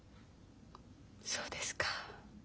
そうですか。